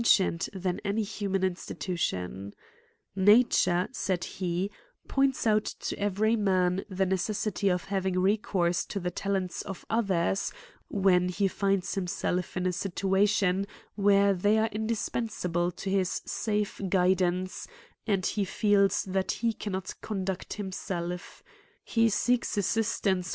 cieiit than any human institution. Nature, said he, points out to every man the necessity of hav ing recourse to the talents of others, when he finds himself in a situation where, they are indispensible to his safe guidance, and he feels that he cannot conduct himself; he seeks assistance when un + Ui^.